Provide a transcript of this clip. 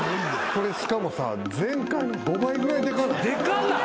これしかもさ前回の５倍ぐらいでかない？でかない！？